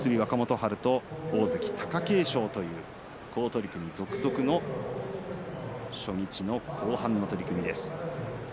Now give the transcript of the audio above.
春と大関貴景勝という好取組続々の初日の後半の取組です。